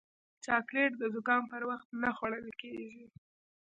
چاکلېټ د زکام پر وخت نه خوړل کېږي.